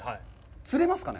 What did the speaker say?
釣れますかね？